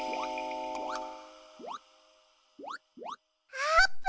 あーぷん！